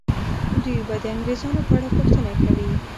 دوی به د انګریزانو په اړه پوښتنه کوي.